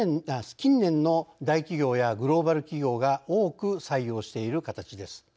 近年の大企業やグローバル企業が多く採用している形です。